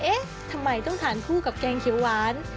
เอ๊ะทำไมต้องทานคู่กับแกงเขียวหวาน